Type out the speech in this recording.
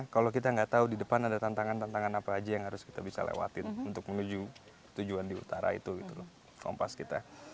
kalau kita nggak tahu di depan ada tantangan tantangan apa aja yang harus kita bisa lewatin untuk menuju tujuan di utara itu gitu loh kompas kita